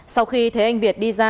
sau khi thế anh việt đi ra